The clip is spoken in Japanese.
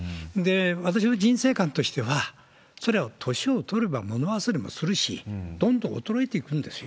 私の人生観としては、それは年を取れば物忘れもするし、どんどん衰えていくんですよ。